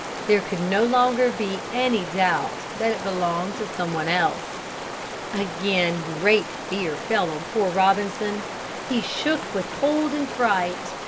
There could no longer be any doubt that it belonged to someone else. Again great fear fell on poor Robinson. He shook with cold and fright.